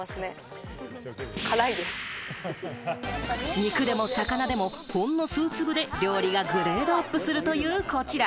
肉でも魚でもほんの数粒で料理がグレードアップするというこちら。